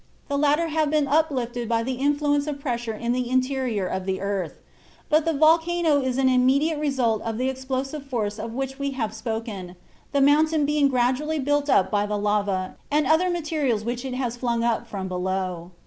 The latter have been uplifted by the influence of pressure in the interior of the earth, but the volcano is an immediate result of the explosive force of which we have spoken, the mountain being gradually built up by the lava and other materials which it has flung up from below.